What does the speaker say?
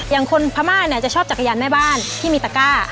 อย่างคนพม่าจะชอบจักรยานในบ้านที่มีตะก้า